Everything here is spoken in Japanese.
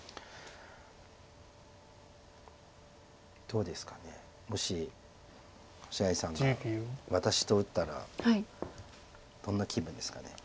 どうですかもし星合さんが私と打ったらどんな気分ですかね。